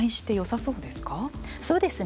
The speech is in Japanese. そうですね